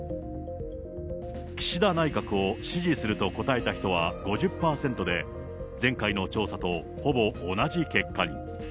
岸田内閣を支持すると答えた人は５０％で、前回の調査とほぼ同じ結果に。